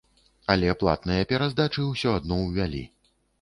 Але платныя пераздачы ўсё адно ўвялі.